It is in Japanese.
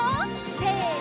せの！